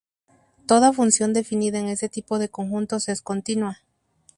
Toda función definida en ese tipo de conjuntos es continua.